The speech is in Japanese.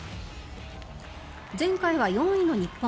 前回は４位の日本。